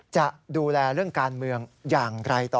จะดูแลเรื่องการเมืองอย่างไรต่อ